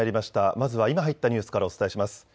まずは今入ったニュースからお伝えします。